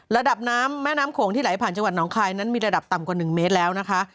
ระดับน้ำแม่น้ำโขงที่ไหลผ่านจังหวัดน้องคายนั้นมีระดับต่ำกว่า๑เมตรแล้วนะคะ